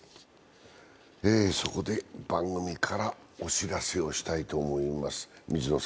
そこで番組からお知らせをしたいと思います。